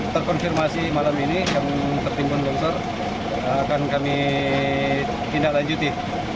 terkonfirmasi malam ini yang tertinggal bangun ser akan kami tindak lanjuti